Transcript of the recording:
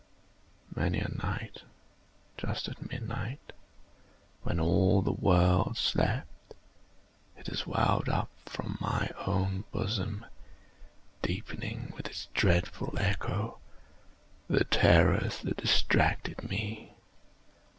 Many a night, just at midnight, when all the world slept, it has welled up from my own bosom, deepening, with its dreadful echo, the terrors that distracted me.